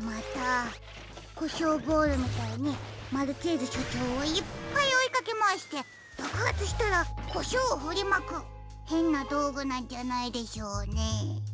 またコショウボールみたいにマルチーズしょうちょうをいっぱいおいかけまわしてばくはつしたらコショウをふりまくへんなどうぐなんじゃないでしょうねえ。